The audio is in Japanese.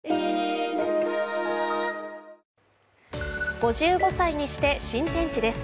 ５５歳にして新天地です。